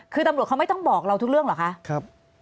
คือตำรวจเขาไม่ต้องบอกเราทุกเรื่องเหรอคะ